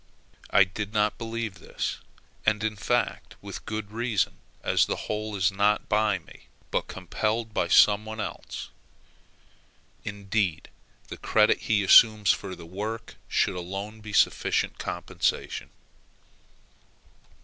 I did not believe this; and, in fact, with good reason, as the whole is not by me, but compiled by some one else. Indeed the credit he assumes for the work should alone be sufficient compensation.